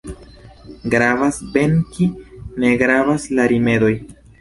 Gravas venki, ne gravas la rimedoj.